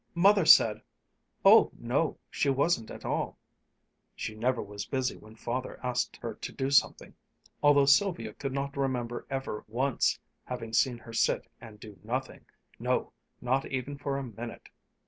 Mother said, Oh no, she wasn't at all. (She never was busy when Father asked her to do something, although Sylvia could not remember ever once having seen her sit and do nothing, no, not even for a minute!)